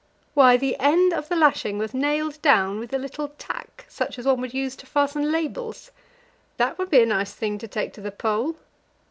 Why, the end of the lashing was nailed down with a little tack, such as one would use to fasten labels. "That would be a nice thing to take to the Pole!"